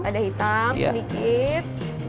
lada hitam sedikit